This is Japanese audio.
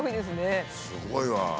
すごいわ。